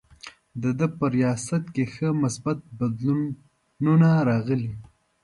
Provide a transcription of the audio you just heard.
د ده په ریاست کې ښه مثبت بدلونونه راغلي.